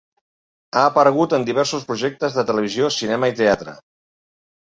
Ha aparegut en diversos projectes de televisió, cinema i teatre.